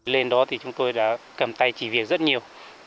lên đó thì chúng tôi đã cầm tay chỉ việc rất nhiều